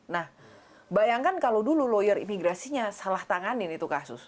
nah bayangkan kalau dulu lawyer imigrasinya salah tanganin itu kasus